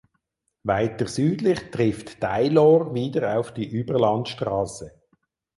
Weiter südlich trifft Dailor wieder auf die Überlandstraße.